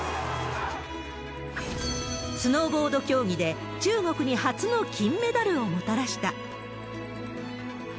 スノーボード競技で中国に初の金メダルをもたらした。